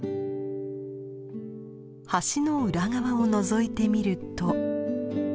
橋の裏側をのぞいてみると。